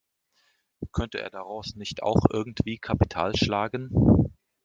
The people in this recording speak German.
Könnte er daraus nicht auch irgendwie Kapital schlagen?